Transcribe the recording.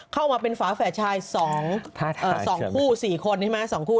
เข้ามาเป็นฝาแฝดชาย๒คู่๔คนใช่ไหม๒คู่